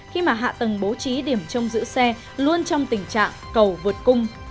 khi mà hạ tầng bố trí điểm trong giữ xe luôn trong tình trạng cầu vượt cung